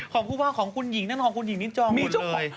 ของผู้ว่าของคุณหญิงนั้นของคุณหญิงนี่จองหมดเลย